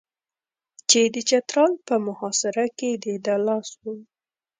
چې د چترال په محاصره کې د ده لاس و.